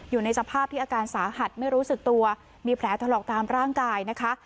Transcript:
อยู่ในสภาพที่อาการสาหัสไม่รู้สึกตัวมีแผลถลอกตามร่างกายนะคะ